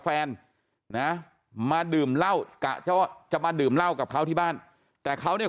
แฟนนะมาดื่มเหล้ากะว่าจะมาดื่มเหล้ากับเขาที่บ้านแต่เขาเนี่ย